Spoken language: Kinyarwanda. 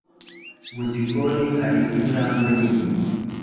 Mu gikoni hari injangwe nini